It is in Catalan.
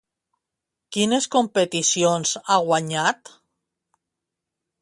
Quines competicions ha guanyat?